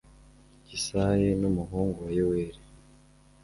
yesayi numuhungu wa yoweli